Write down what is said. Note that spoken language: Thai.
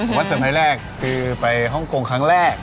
วัดเซอร์ไพรส์แรกคือไปฮ่องกงครั้งแรก